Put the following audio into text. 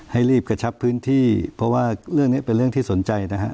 ให้รีบกระชับพื้นที่เพราะว่าเรื่องนี้เป็นเรื่องที่สนใจนะฮะ